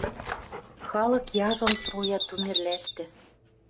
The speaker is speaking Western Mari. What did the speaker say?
Халык яжон труя Тумерлӓштӹ